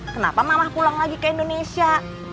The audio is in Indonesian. kenapa mama pulang lagi ke indonesia